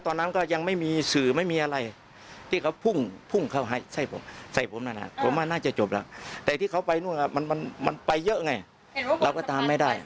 ที่เขาไปนู่นมันไปเยอะไงเราก็ตามไม่ได้